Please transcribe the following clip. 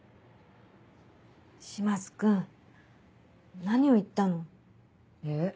島津君何を言ったの。え？